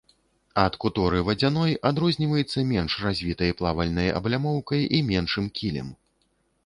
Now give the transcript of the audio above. Ад куторы вадзяной адрозніваецца менш развітай плавальнай аблямоўкай і меншым кілем.